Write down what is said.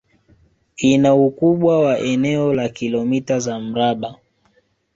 Ina ukubwa wa eneo la kilomita za mraba